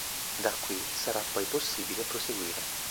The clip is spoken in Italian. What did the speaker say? Da qui sarà poi possibile proseguire.